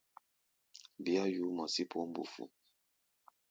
Bíá yuú mɔ sí poó mbufu.